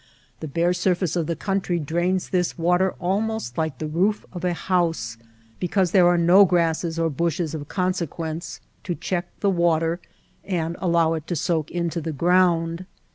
The bare surface of the country drains this water al^ most like the roof of a house because there are no grasses or bushes of consequence to check the water and allow it to soak into the ground.